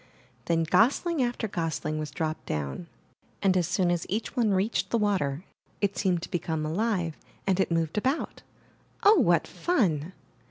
Then gosling after gosling was dropped down, and as soon as each one reached the water, it seemed to become alive and it moved about. Oh, what fun!